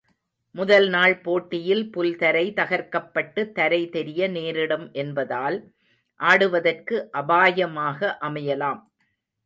முதல் நாள் போட்டியில் புல்தரை தகர்க்கப்பட்டு, தரை தெரிய நேரிடும் என்பதால், ஆடுவதற்கு அபாயமாக அமையலாம்.